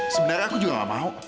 sebenarnya aku juga gak mau